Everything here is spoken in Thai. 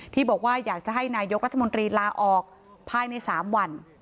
ที่บอกว่าอยากจะให้นายกรัฐมนตรีลาออกภายใน๓วัน